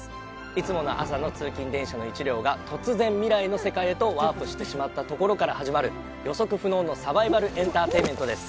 いつもの朝の通勤電車の１両が突然未来の世界へとワープしてしまったところから始まる予測不能のサバイバルエンターテインメントです